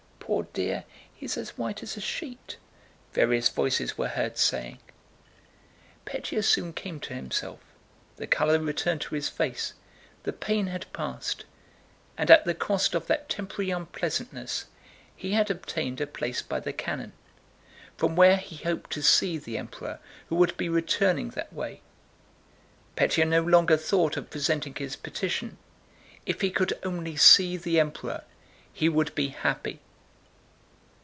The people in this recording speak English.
Poor dear, he's as white as a sheet!"—various voices were heard saying. Pétya soon came to himself, the color returned to his face, the pain had passed, and at the cost of that temporary unpleasantness he had obtained a place by the cannon from where he hoped to see the Emperor who would be returning that way. Pétya no longer thought of presenting his petition. If he could only see the Emperor he would be happy!